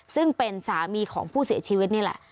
ซึ่งเป็นสามีของผู้เสียชีวิตนี่แหละ